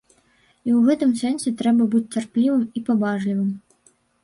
І ў гэтым сэнсе трэба быць цярплівым і паблажлівым.